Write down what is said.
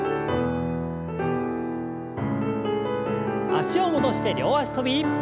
脚を戻して両脚跳び。